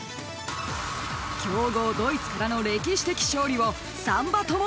［強豪ドイツからの歴史的勝利を３羽ともが予想］